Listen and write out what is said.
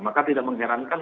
maka tidak mengherankan